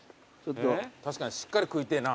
確かにしっかり食いてぇな。